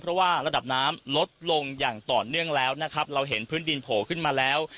เพราะว่าระดับน้ำลดลงอย่างต่อเนื่องแล้วนะครับเราเห็นพื้นดินโผล่ขึ้นมาแล้ว